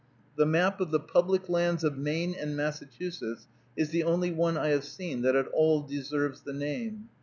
The Map of the Public Lands of Maine and Massachusetts is the only one I have seen that at all deserves the name.